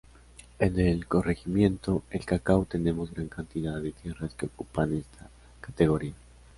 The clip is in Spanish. En el corregimiento El Cacao tenemos gran cantidad de tierras que ocupan esta categoría.